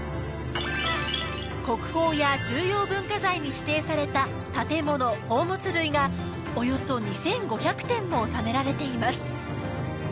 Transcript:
国宝や重要文化財に指定された建物・宝物類がおよそ２５００点もおさめられています